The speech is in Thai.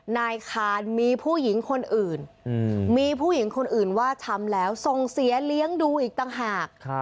นายคานมีผู้หญิงคนอื่นมีผู้หญิงคนอื่นว่าช้ำแล้วส่งเสียเลี้ยงดูอีกต่างหาก